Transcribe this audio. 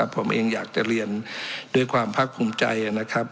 ผมเองอยากจะเรียนด้วยความภาคภูมิใจนะครับ